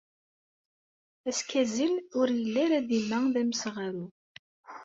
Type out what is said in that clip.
Askazel ur yelli ara dima d amesɣaru.